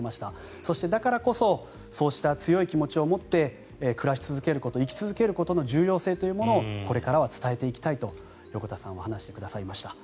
そして、だからこそそうした強い気持ちを持って暮らし続けること生き続けることの重要性というものをこれからは伝えていきたいと横田さんは話してくださいました。